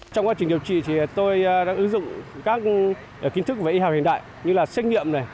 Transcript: trong quá trình điều trị thì tôi đang ứng dụng các kiến thức về y hào hiện đại như là xét nghiệm này